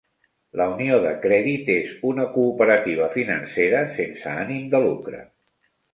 La unió de crèdit és una cooperativa financera sense ànim de lucre.